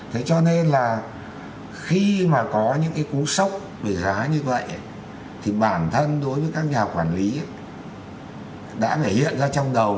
thế cho nên là khi mà có những cái cú sốc về giá như vậy thì bản thân đối với các nhà quản lý đã thể hiện ra trong đầu